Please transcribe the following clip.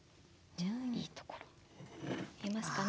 いいところ見えますかね。